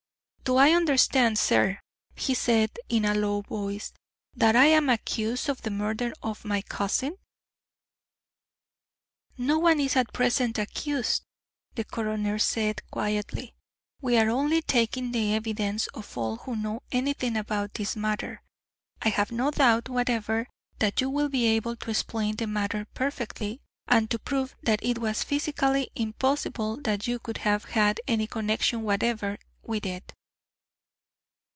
"Do I understand, sir," he said in a low voice, "that I am accused of the murder of my cousin?" "No one is at present accused," the coroner said, quietly. "We are only taking the evidence of all who know anything about this matter. I have no doubt whatever that you will be able to explain the matter perfectly, and to prove that it was physically impossible that you could have had any connection whatever with it."